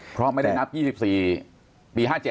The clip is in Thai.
เพราะไม่ได้นับ๒๔ปี๕๗